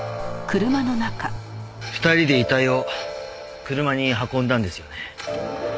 ２人で遺体を車に運んだんですよね。